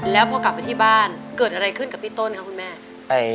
แล้วพอกลับไปที่บ้านเกิดอะไรขึ้นกับพี่ต้นคะคุณแม่